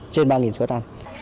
trên ba xuất ăn